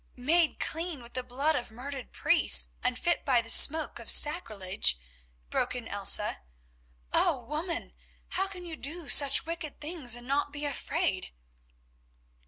"Made clean with the blood of murdered priests, and fit by the smoke of sacrilege?" broke in Elsa. "Oh! woman, how can you do such wicked things and not be afraid?"